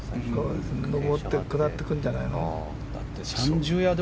上って下っていくんじゃないの。